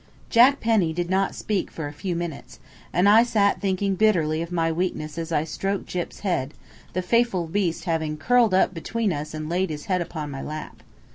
Jack Penny did not speak for a few minutes, and I sat thinking bitterly of my weakness as I stroked Gyp's head, the faithful beast having curled up between us and laid his head upon my lap.